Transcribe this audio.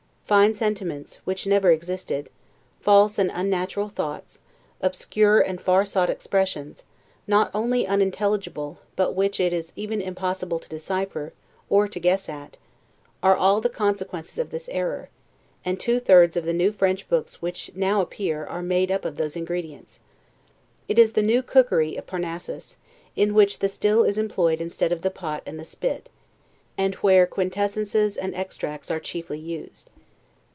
Fine sentiments, which never existed, false and unnatural thoughts, obscure and far sought expressions, not only unintelligible, but which it is even impossible to decipher, or to guess at, are all the consequences of this error; and two thirds of the new French books which now appear are made up of those ingredients. It is the new cookery of Parnassus, in which the still is employed instead of the pot and the spit, and where quintessences and extracts ate chiefly used.